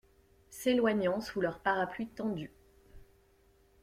S'éloignant sous leurs parapluies tendus.